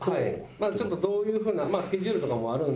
ちょっとどういう風なスケジュールとかもあるんで。